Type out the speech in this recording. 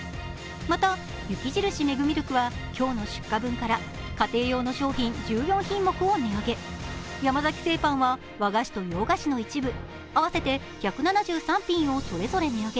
また、雪印メグミルクは今日の出荷分から家庭用の１４品目を値上げ山崎製パンは和菓子と洋菓子の一部、合わせて１７３品をそれぞれ値上げ。